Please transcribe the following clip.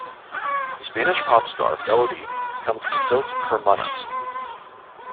Spanish popstar Melody comes from Dos Hermanas.